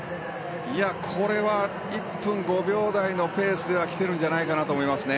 これは１分５秒台のペースで来てるんじゃないかなと思いますね。